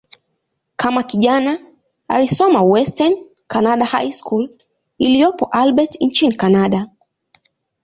Kama kijana, alisoma "Western Canada High School" iliyopo Albert, nchini Kanada.